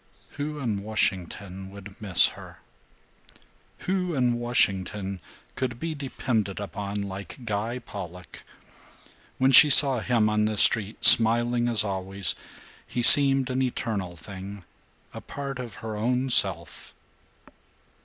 Who in Washington would miss her? Who in Washington could be depended upon like Guy Pollock? When she saw him on the street, smiling as always, he seemed an eternal thing, a part of her own self.